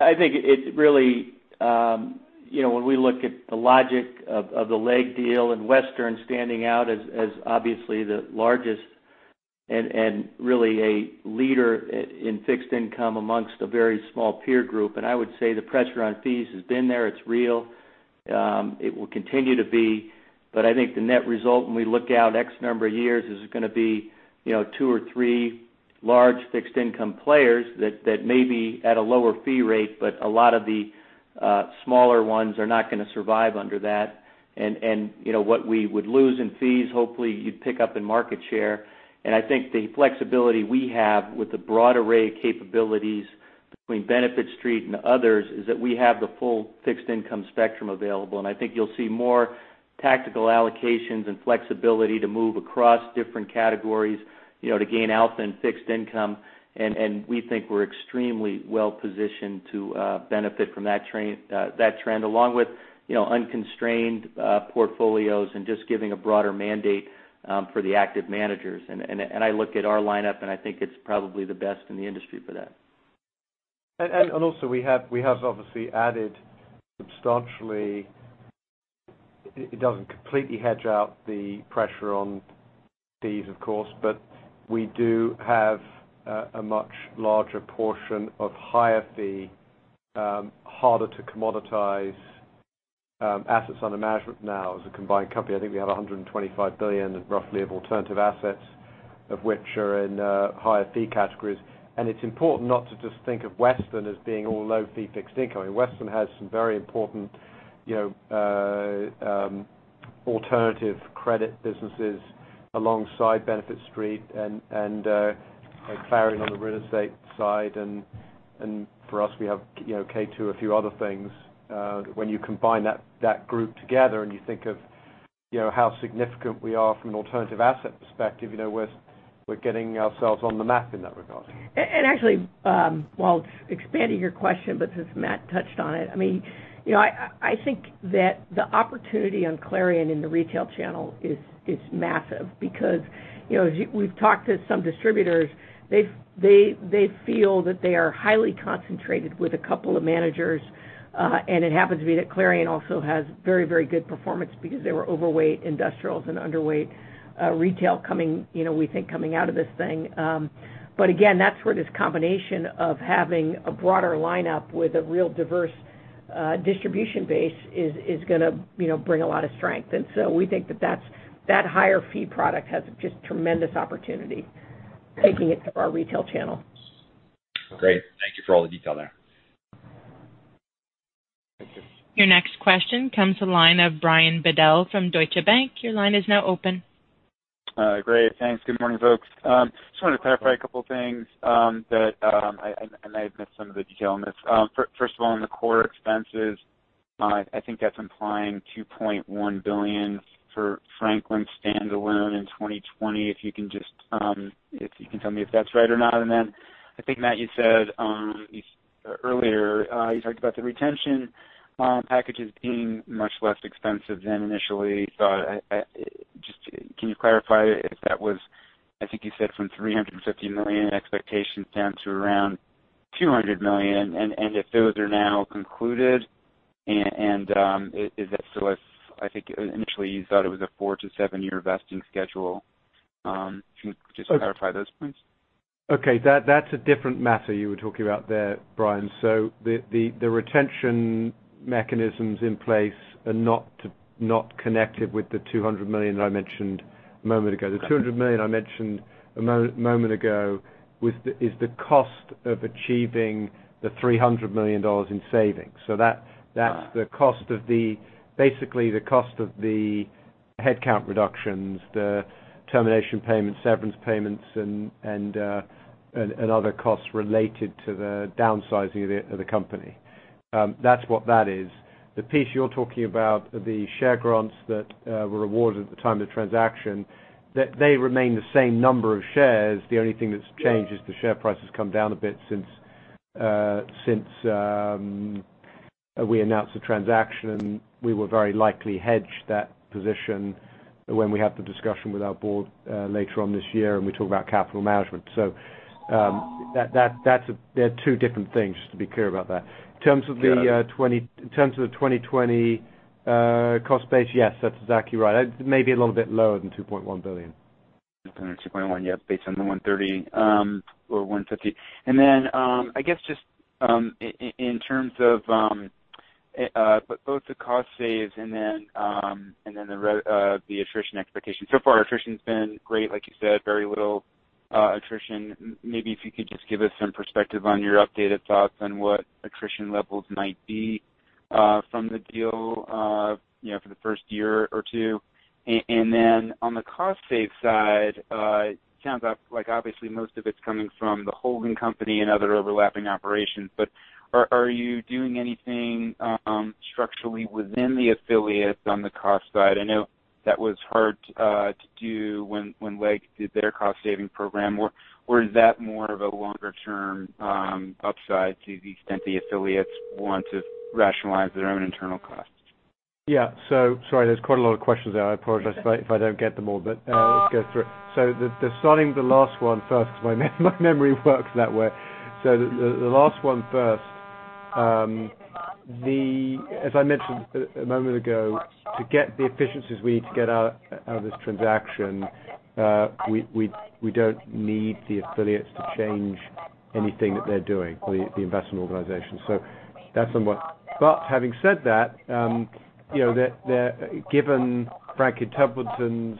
I think it really, when we look at the logic of the Legg deal and Western standing out as obviously the largest and really a leader in fixed income amongst a very small peer group. And I would say the pressure on fees has been there. It's real. It will continue to be. But I think the net result when we look out X number of years is going to be two or three large fixed income players that may be at a lower fee rate, but a lot of the smaller ones are not going to survive under that. And what we would lose in fees, hopefully, you'd pick up in market share. And I think the flexibility we have with the broad array of capabilities between Benefit Street and others is that we have the full fixed income spectrum available. And I think you'll see more tactical allocations and flexibility to move across different categories to gain out in fixed income. And we think we're extremely well positioned to benefit from that trend, along with unconstrained portfolios and just giving a broader mandate for the active managers. And I look at our lineup, and I think it's probably the best in the industry for that. And also, we have obviously added substantially. It doesn't completely hedge out the pressure on fees, of course. But we do have a much larger portion of higher-fee, harder-to-commoditize assets under management now as a combined company. I think we have $125 billion roughly of alternative assets, of which are in higher-fee categories. And it's important not to just think of Western as being all low-fee fixed income. I mean, Western has some very important alternative credit businesses alongside Benefit Street and Clarion on the real estate side. And for us, we have K2, a few other things. When you combine that group together and you think of how significant we are from an alternative asset perspective, we're getting ourselves on the map in that regard. And actually, while it's expanding your question, but since Matt touched on it, I mean, I think that the opportunity on Clarion in the retail channel is massive because we've talked to some distributors. They feel that they are highly concentrated with a couple of managers. And it happens to be that Clarion also has very, very good performance because they were overweight industrials and underweight retail, we think, coming out of this thing. But again, that's where this combination of having a broader lineup with a real diverse distribution base is going to bring a lot of strength. And so we think that that higher-fee product has just tremendous opportunity taking it through our retail channel. Great. Thank you for all the detail there. Your next question comes to the line of Brian Bedell from Deutsche Bank. Your line is now open. Great. Thanks. Good morning, folks. Just wanted to clarify a couple of things, and I missed some of the detail on this. First of all, on the core expenses, I think that's implying $2.1 billion for Franklin standalone in 2020, if you can tell me if that's right or not. And then I think, Matt, you said earlier you talked about the retention packages being much less expensive than initially. So just can you clarify if that was. I think you said from $350 million expectations down to around $200 million. And if those are now concluded, is that still a. I think initially you thought it was a four to seven-year vesting schedule. Can you just clarify those points? Okay. That's a different matter you were talking about there, Brian. So the retention mechanisms in place are not connected with the $200 million that I mentioned a moment ago. The $200 million I mentioned a moment ago is the cost of achieving the $300 million in savings. So that's the cost of the, basically, the cost of the headcount reductions, the termination payments, severance payments, and other costs related to the downsizing of the company. That's what that is. The piece you're talking about, the share grants that were awarded at the time of the transaction, they remain the same number of shares. The only thing that's changed is the share price has come down a bit since we announced the transaction. We will very likely hedge that position when we have the discussion with our board later on this year and we talk about capital management. So they're two different things, just to be clear about that. In terms of the 2020 cost base, yes, that's exactly right. It may be a little bit lower than $2.1 billion. 2.1, yes, based on the 130 or 150. And then I guess just in terms of both the cost savings and then the attrition expectation. So far, attrition has been great, like you said, very little attrition. Maybe if you could just give us some perspective on your updated thoughts on what attrition levels might be from the deal for the first year or two. And then on the cost savings side, it sounds like obviously most of it's coming from the holding company and other overlapping operations. But are you doing anything structurally within the affiliates on the cost side? I know that was hard to do when Legg did their cost-saving program. Or is that more of a longer-term upside to the extent the affiliates want to rationalize their own internal costs? Yeah. So sorry, there's quite a lot of questions there. I apologize if I don't get them all, but let's go through it. So starting with the last one first because my memory works that way. So the last one first, as I mentioned a moment ago, to get the efficiencies we need to get out of this transaction, we don't need the affiliates to change anything that they're doing or the investment organization. So that's somewhat. But having said that, given Franklin Templeton's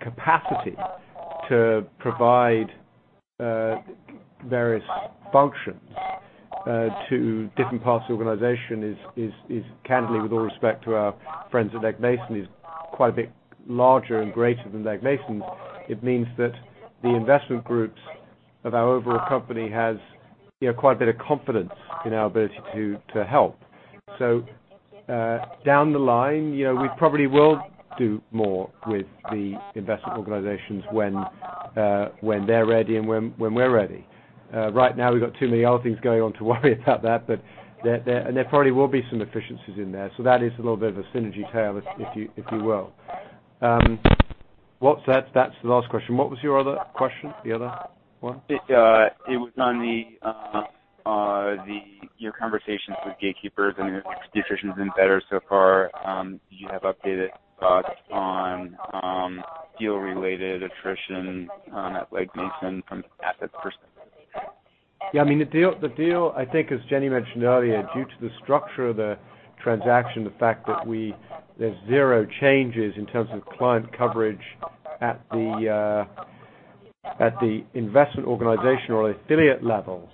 capacity to provide various functions to different parts of the organization is candidly, with all respect to our friends at Legg Mason, is quite a bit larger and greater than Legg Mason's. It means that the investment groups of our overall company have quite a bit of confidence in our ability to help. So down the line, we probably will do more with the investment organizations when they're ready and when we're ready. Right now, we've got too many other things going on to worry about that. And there probably will be some efficiencies in there. So that is a little bit of a synergy tale, if you will. Well, that's the last question. What was your other question, the other one? It was on your conversations with gatekeepers and the attrition has been better so far. Do you have updated thoughts on deal-related attrition at Legg Mason from an asset perspective? Yeah. I mean, the deal, I think, as Jenny mentioned earlier, due to the structure of the transaction, the fact that there's zero changes in terms of client coverage at the investment organization or affiliate level,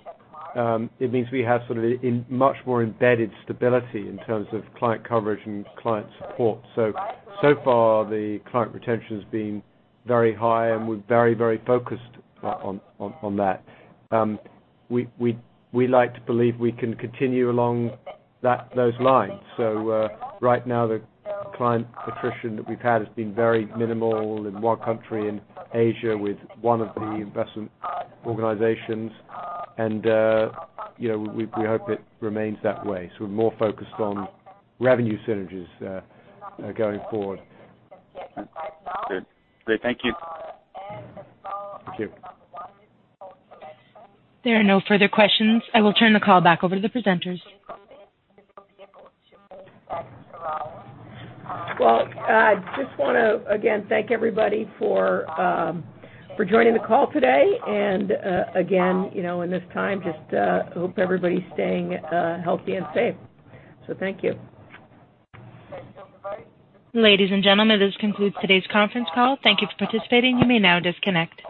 it means we have sort of much more embedded stability in terms of client coverage and client support. So far, the client retention has been very high, and we're very, very focused on that. We like to believe we can continue along those lines. So right now, the client attrition that we've had has been very minimal in one country in Asia with one of the investment organizations. And we hope it remains that way. So we're more focused on revenue synergies going forward. Great. Thank you. There are no further questions. I will turn the call back over to the presenters. I just want to, again, thank everybody for joining the call today. Again, in this time, just hope everybody's staying healthy and safe. Thank you. Ladies and gentlemen, this concludes today's conference call. Thank you for participating. You may now disconnect.